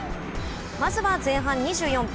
まずは前半２４分。